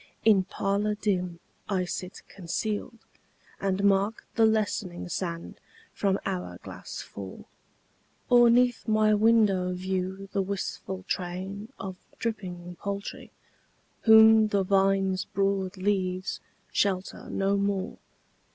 In parlour dim I sit concealed, And mark the lessening sand from hour glass fall; Or 'neath my window view the wistful train Of dripping poultry, whom the vine's broad leaves Shelter no more.